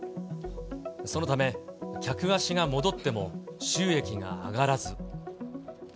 そのため、客足が戻っても収益が上がらず。